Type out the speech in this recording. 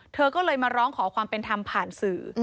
เธอก็เลยมาร้องขอความเป็นธรรมผ่านสื่อ